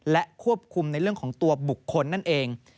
และควบคุมในเรื่องของตัวบุคคลนั่นเอง